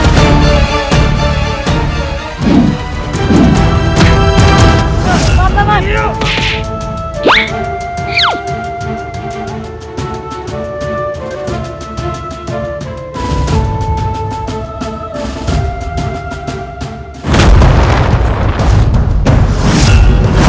jangan selalu menghukum saya